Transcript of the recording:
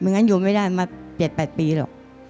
งั้นอยู่ไม่ได้มา๗๘ปีหรอก